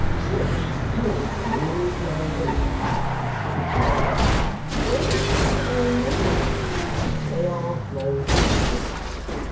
"Such things may be," repeats Mr. Guppy, "or they may not be. They are no part of the case.